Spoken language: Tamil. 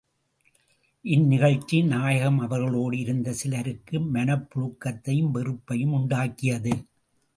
இந்நிகழ்ச்சி நாயகம் அவர்களோடு இருந்த சிலருக்கு மனப் புழுக்கத்தையும் வெறுப்பையும் உண்டாக்கியது.